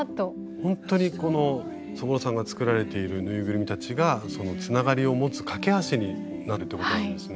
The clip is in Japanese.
本当にこのそぼろさんが作られているぬいぐるみたちがつながりを持つ懸け橋になるってことなんですね。